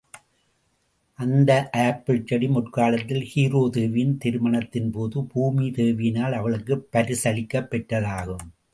அந்த ஆப்பிள் செடி முற்காலத்தில் ஹீரா தேவியின திருமணத்தின்போது பூமிதேவியால் அவளுக்குப் பரிசளிக்கப்பெற்றதாகும்.